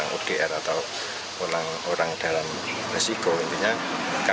mereka semua datang dari jakarta